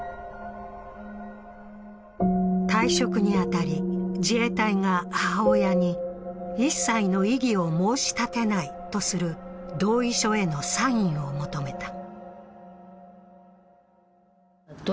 退職に当たり、自衛隊が母親に一切の異議を申し立てないとする同意書へのサインを求めた。